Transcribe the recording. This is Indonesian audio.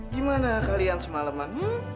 gimana kalian semaleman